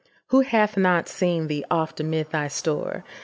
Who hath not seen thee oft amid thy store?